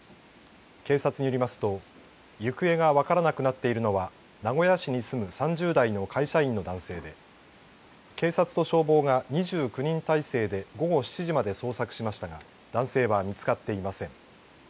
警察によりますと行方が分からなくなっているのは名古屋市に住む３０代の会社員の男性で警察と消防が２９人態勢で午後７時まで捜索しましたが男性は見つかっていません。